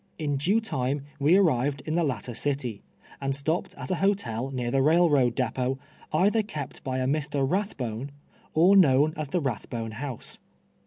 In due time, we arrived in the latter city, and stopped at a hotel near the railroad depot, either kept by a ]\[r. Ivathbone, or known as the Rathbone House.